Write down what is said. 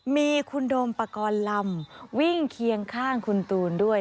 มีคุณโดมปกรณ์ลำวิ่งเคียงข้างคุณตูนด้วย